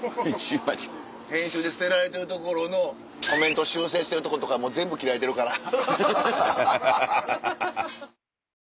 編集で捨てられてるところのコメント修正してるとことかもう全部切られてるから。